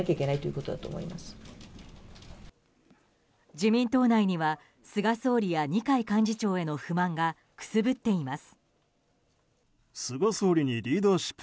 自民党内には菅総理や二階幹事長への不満がくすぶっています。